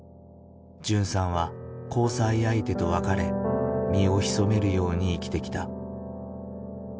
純さんは交際相手と別れ身を潜めるように生きてきた。